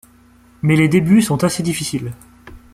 Mais les débuts sont assez difficiles.